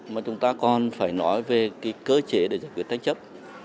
mà chúng ta còn phải nói về cơ chế để giải quyết tranh chấp